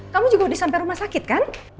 kamu juga udah sampai rumah sakit kan